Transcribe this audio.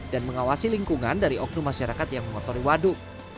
dan mengawasi lingkungan dari oknum masyarakat yang mengotori waduk